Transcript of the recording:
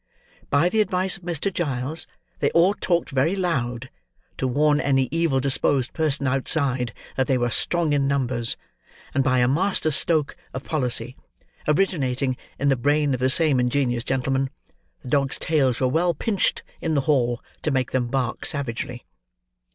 By the advice of Mr. Giles, they all talked very loud, to warn any evil disposed person outside, that they were strong in numbers; and by a master stoke of policy, originating in the brain of the same ingenious gentleman, the dogs' tails were well pinched, in the hall, to make them bark savagely.